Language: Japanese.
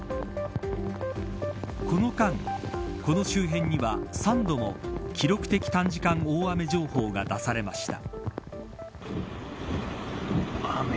この間、この周辺には３度も記録的短時間大雨情報が出されました。